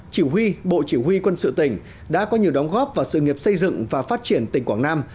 chỉ huy bộ chỉ huy quân sự tỉnh đã có nhiều đóng góp vào sự nghiệp xây dựng và phát triển tỉnh quảng nam